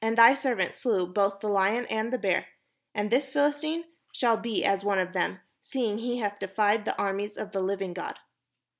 Thy servant slew both the Hon and the bear : and this PhiKstine shall be as one of them, seeing he hath defied the armies of the Hving God."